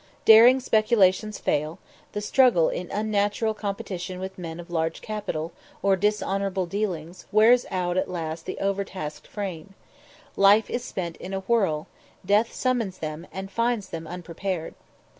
Daring speculations fail; the struggle in unnatural competition with men of large capital, or dishonourable dealings, wears out at last the overtasked frame life is spent in a whirl death summons them, and finds them unprepared.